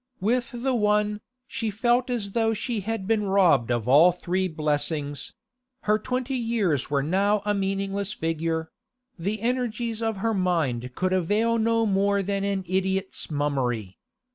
With the one, she felt as though she had been robbed of all three blessings; her twenty years were now a meaningless figure; the energies of her mind could avail no more than an idiot's mummery.